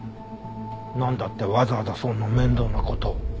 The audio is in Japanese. なんだってわざわざそんな面倒な事を。